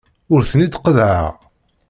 Ur ten-id-qeḍḍɛeɣ.